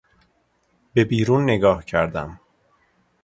به بیرون نگاه کردم.